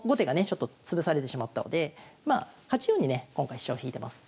ちょっと潰されてしまったのでまあ８四にね今回飛車を引いてます